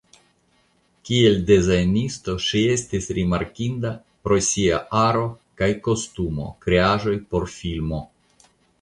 Kiel dezajnisto ŝi estis rimarkinda pro sia aro kaj kostumo kreaĵoj por filmo.